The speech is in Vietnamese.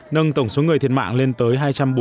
nâng tổng số người thiệt mạng lên tới hai trăm bốn mươi tám